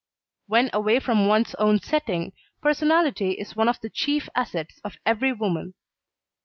When away from one's own setting, personality is one of the chief assets of every woman.